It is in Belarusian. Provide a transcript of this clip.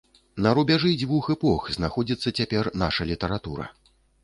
На рубяжы дзвюх эпох знаходзіцца цяпер наша літаратура.